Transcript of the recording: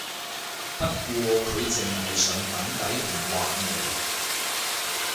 不過佢淨係上粉底同畫眉